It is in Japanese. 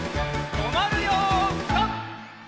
とまるよピタ！